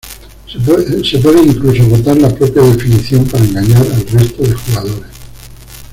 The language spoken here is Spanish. Se puede incluso votar la propia definición para engañar al resto de jugadores.